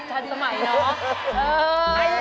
ชันสมัยน้อง